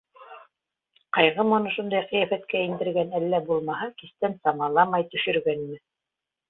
Ҡайғымы уны шундай ҡиәфәткә индергән, әллә булмаһа, кистән самаламай төшөргәнме?